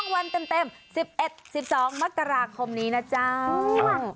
วันเต็ม๑๑๑๒มกราคมนี้นะเจ้า